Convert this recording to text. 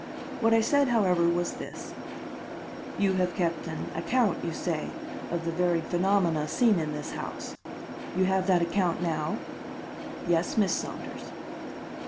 What I said, however, was this: "You have kept an account, you say, of the varied phenomena seen in this house? You have that account now?" "Yes, Miss Saunders."